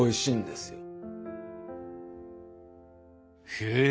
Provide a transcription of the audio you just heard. へえ！